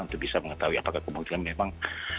untuk bisa mengetahui apakah kemungkinan memang